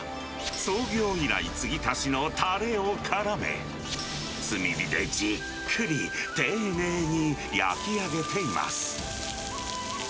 創業以来継ぎ足しのたれをからめ、炭火でじっくり丁寧に焼き上げています。